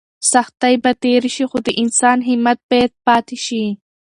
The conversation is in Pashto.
سختۍ به تېرې شي خو د انسان همت باید پاتې شي.